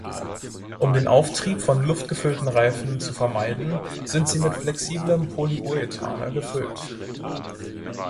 Um den Auftrieb von luftgefüllten Reifen zu vermeiden, sind sie mit flexiblem Polyurethane gefüllt.